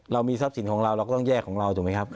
เรามีทรัพย์สินของเราเราก็ต้องแยกของเราถูกไหมครับ